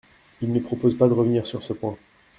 Il ne propose pas de revenir sur ce point.